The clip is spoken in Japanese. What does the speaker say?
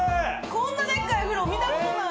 こんなでっかい風呂見たことない。